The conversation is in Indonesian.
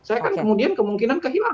saya kan kemudian kemungkinan kehilangan